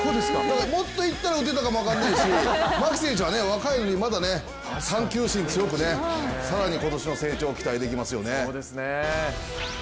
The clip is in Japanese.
もっと行ったら打てたかもしれないし牧選手はまだ若いのに探究心強く、更に今年の成長期待できますよね。